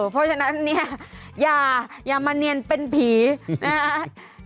เพราะฉะนั้นอย่ามะเนียนเป็นผีนะ